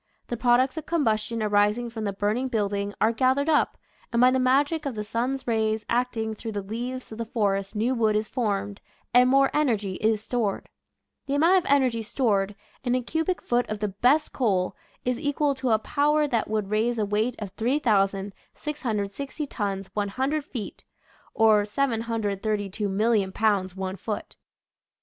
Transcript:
The products of combustion arising from the burning building are gath ered up, and by the magic of the sun's rays acting through the leaves of the forest new wood is formed, and more energy is stored. The amount of energy stored in a cubic foot of the best coal is equal to a power that would raise a weight of 3,660 tons 100 feet, or 732, 000,000 pounds one foot.